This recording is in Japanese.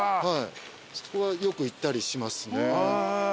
そこはよく行ったりしますね。